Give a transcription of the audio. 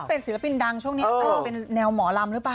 เป็นศิลปินดังช่วงนี้อาจจะเป็นแนวหมอลำหรือเปล่า